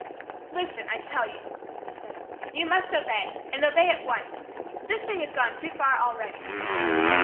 "Listen, I tell you," he said; "you must obey, and obey at once. This thing has gone too far already."